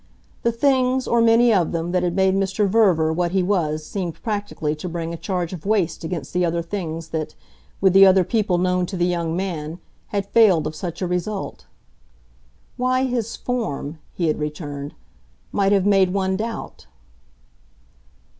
The things, or many of them, that had made Mr. Verver what he was seemed practically to bring a charge of waste against the other things that, with the other people known to the young man, had failed of such a result. "Why, his 'form,'" he had returned, "might have made one doubt."